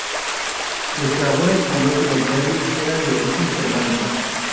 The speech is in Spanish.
Estrabón escribió que los nervios eran de origen germánico.